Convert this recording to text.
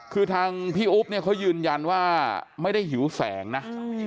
คือทางพี่อุ๊บเนี่ยเขายืนยันว่าไม่ได้หิวแสงนะ